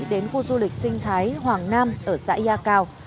đến khu du lịch sinh thái hoàng nam ở xã yatio